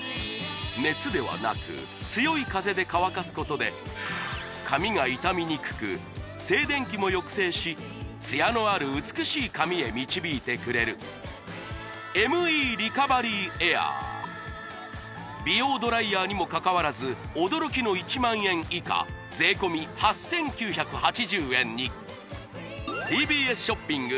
熱ではなく強い風で乾かすことで髪が傷みにくく静電気も抑制し艶のある美しい髪へ導いてくれるＭＥリカバリーエアー美容ドライヤーにもかかわらず驚きの１万円以下税込８９８０円にＴＢＳショッピング